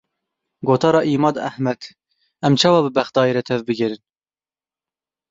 Gotara Îmad Ehmed: Em çawa bi Bexdayê re tevbigerin?